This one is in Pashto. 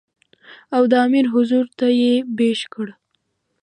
او د امیر حضور ته یې پېش کړ.